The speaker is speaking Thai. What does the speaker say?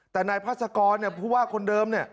แต่นายพาสกรผู้ว่าคนเดิม